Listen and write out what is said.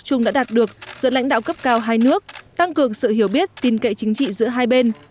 chung đã đạt được giữa lãnh đạo cấp cao hai nước tăng cường sự hiểu biết tin cậy chính trị giữa hai bên